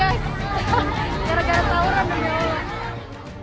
gara gara tawuran berjalan